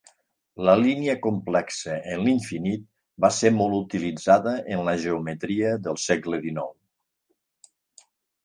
La línia complexa en l'infinit va ser molt utilitzada en la geometria de segle XIX.